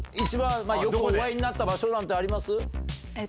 よくお会いになった場所なんてあります？